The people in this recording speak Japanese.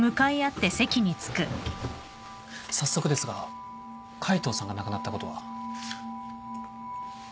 早速ですが海藤さんが亡くなったことは？